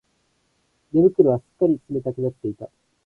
寝袋はすっかり冷たくなっていた